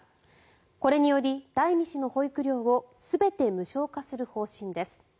これにより第２子の保育料を全て無償化する方針です。